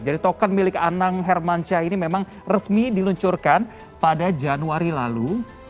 jadi token milik anang hermansyah ini memang resmi diluncurkan pada januari lalu